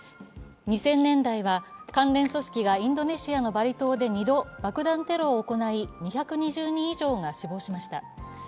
２０００年代は関連組織がインドネシアのバリ島で爆弾テロを行い、２２０人以上が死亡しました。